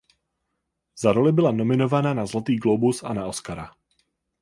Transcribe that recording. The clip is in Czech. Za roli byla nominovaná na Zlatý globus a na Oscara.